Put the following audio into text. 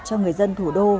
cho người dân thủ đô